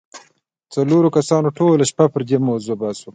څلورو کسانو ټوله شپه پر دې موضوع بحث وکړ